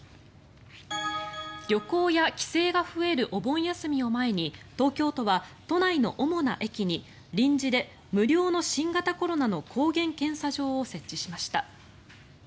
旅行や帰省が増えるお盆休みを前に東京都は都内の主な駅に臨時で無料の新型コロナの抗原検査場を設置しました。